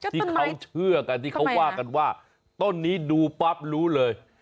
ที่เขาเชื่อกันที่เขาว่ากันว่าต้นนี้ดูปั๊บรู้เลย